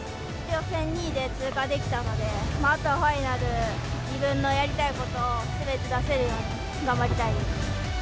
予選２位で通過できたので、あとはファイナル、自分のやりたいことをすべて出せるように頑張りたいです。